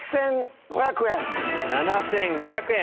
７５００円。